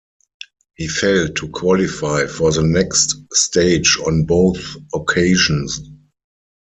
He failed to qualify for the next stage on both occasions.